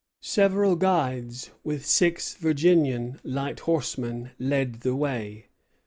Several guides, with six Virginian light horsemen, led the way.